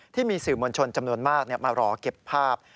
ที่มีสื่อมวลชนจำนวนมากมารอเก็บภาพ